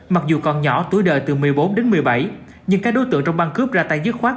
mặc dù còn nhỏ tuổi đời từ một mươi bốn đến một mươi bảy nhưng các đối tượng trong băng cướp ra tay dứt khoát